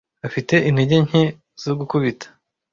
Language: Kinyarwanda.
afite intege nke zo gukubita